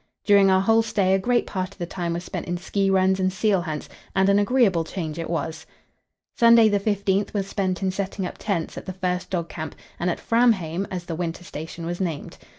During our whole stay a great part of the time was spent in ski runs and seal hunts, and an agreeable change it was. Sunday the 15th was spent in setting up tents at the first dog camp and at Framheim, as the winter station was named.